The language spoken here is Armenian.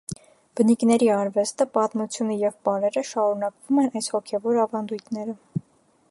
Բնիկների արվեստը, պատմությունը և պարերը շարունակում են այս հոգևոր ավանդույթները։